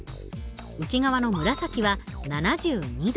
内側の紫は７２度。